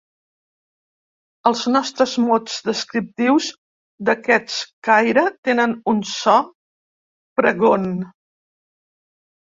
Els nostres mots descriptius d'aquest caire tenen un so pregon.